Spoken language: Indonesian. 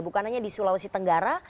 bukan hanya di sulawesi tenggara